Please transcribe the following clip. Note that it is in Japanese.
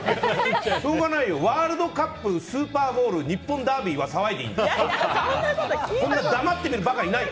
ワールドカップ、スーパーボール日本ダービーは騒いでいい。